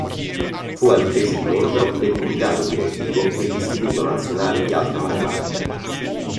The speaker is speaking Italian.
Fu altresì membro del Comitato direttivo dell'Istituto Nazionale di Alta Matematica.